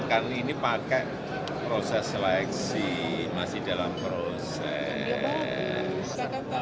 bisa dua duanya bukan ini pakai proses seleksi masih dalam proses